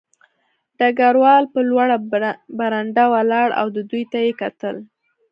ډګروال په لوړه برنډه ولاړ و او دوی ته یې کتل